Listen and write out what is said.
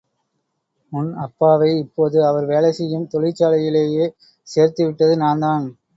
உன் அப்பாவை இப்போது அவர் வேலை செய்யும் தொழிற்சாலையிலே சேர்த்துவிட்டது நான்தான்.